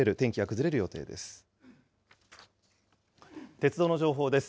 鉄道の情報です。